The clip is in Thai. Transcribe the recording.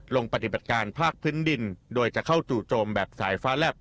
ลงปฏิบัติการภาคพื้นดินโดยจะเข้าจู่โจมแบบสายฟ้าแลบ